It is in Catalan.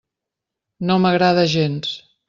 No m'agrada gens.